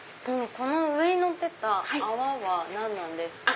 この上にのってた泡は何なんですか？